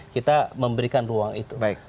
kita memberikan ruang itu